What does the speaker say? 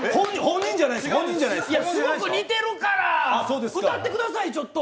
すごく似てるから歌ってください、ちょっと。